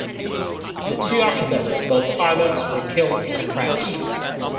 The two occupants, both pilots, were killed in the crash.